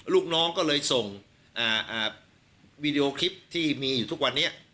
ลูกน้องก็เลยส่งวีดีโอคลิปที่มีอยู่ทุกวันนี้